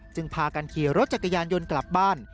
พากันขี่รถจักรยานยนต์กลับบ้าน